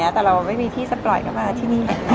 แต่เราไม่มีที่สปรอยก็มาที่นี่